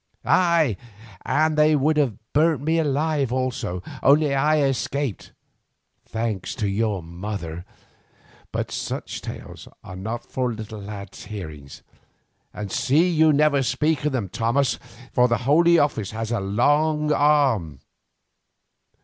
Aye, and they would have burnt me alive also, only I escaped, thanks to your mother—but such tales are not for a little lad's hearing; and see you never speak of them, Thomas, for the Holy Office has a long arm.